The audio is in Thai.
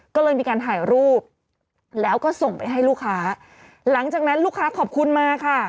ก็เลยมีการถ่ายรูปแล้วก็ส่งไปให้ลูกค้าหลังจากนั้นลูกค้าขอบคุณมาค่ะ